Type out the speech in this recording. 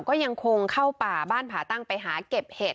ก็ยังคงเข้าป่าบ้านผ่าตั้งไปหาเก็บเห็ด